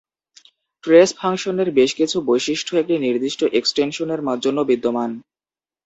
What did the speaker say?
Trace ফাংশনের বেশ কিছু বৈশিষ্ট্য একটি নির্দিষ্ট এক্সটেনশনের জন্য বিদ্যমান।